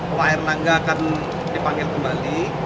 pelayanan gak akan dipanggil kembali